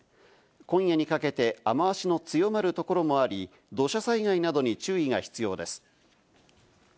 今夜にかけて雨脚の強まるところもあり、土砂災害などに注意が必要です。